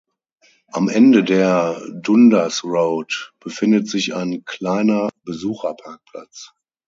Am Ende der "Dundas Road" befindet sich ein kleiner Besucherparkplatz.